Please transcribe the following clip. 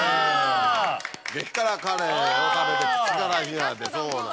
激辛カレーを食べて口から火が出そう。